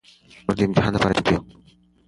مونږ د امتحان لپاره چمتو يو.